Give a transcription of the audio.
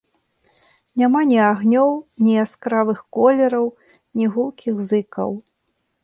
Няма ні агнёў, ні яскравых колераў, ні гулкіх зыкаў.